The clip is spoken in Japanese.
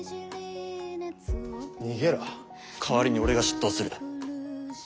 代わりに俺が出頭する。